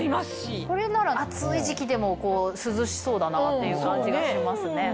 これなら暑い時期でも涼しそうだなっていう感じがしますね。